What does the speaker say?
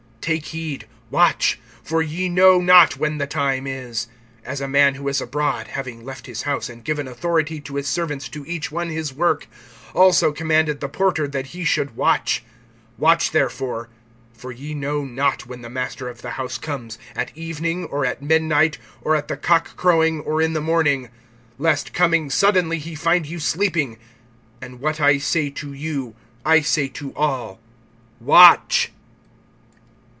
(33)Take heed, watch; for ye know not when the time is. (34)As a man who is abroad, having left his house, and given authority to his servants, to each one his work, also commanded the porter that he should watch; (35)watch therefore, for ye know not when the master of the house comes, at evening, or at midnight, or at the cock crowing, or in the morning; (36)lest coming suddenly he find you sleeping. (37)And what I say to you, I say to all, Watch.